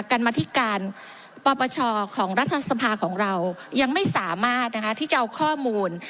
กรรมธิการปปชของรัฐสภาของเรายังไม่สามารถที่จะเอาข้อมูล